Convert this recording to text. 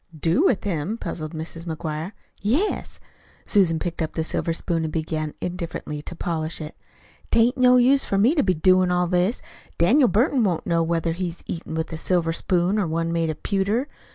"Do with him?" puzzled Mrs. McGuire. "Yes." Susan picked up the silver spoon and began indifferently to polish it. "'Tain't no use for me to be doin' all this. Daniel Burton won't know whether he's eatin' with a silver spoon or one made of pewter.